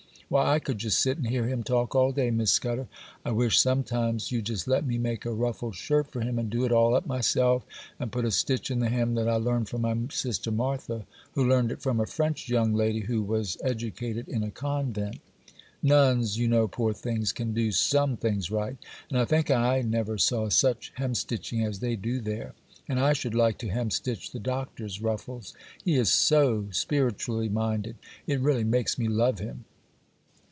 Why, I could just sit and hear him talk all day. Miss Scudder, I wish sometimes you'd just let me make a ruffled shirt for him, and do it all up myself, and put a stitch in the hem that I learned from my sister Martha, who learned it from a French young lady who was educated in a convent;—nuns, you know, poor things, can do some things right; and I think I never saw such hemstitching as they do there;—and I should like to hemstitch the Doctor's ruffles; he is so spiritually minded, it really makes me love him.